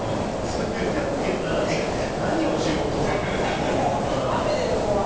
梅雨が明けたらって何をしようと。